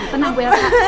tenang bu elsa